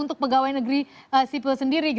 untuk pegawai negeri sipil sendiri